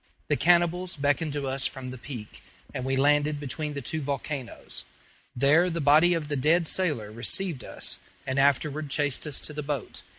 The cannibals beckoned to us from the peak, and we landed between the two volcanoes. There the body of the dead sailor received us, and afterward chased us to the boat.